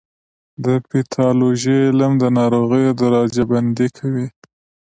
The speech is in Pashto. د پیتالوژي علم د ناروغیو درجه بندي کوي.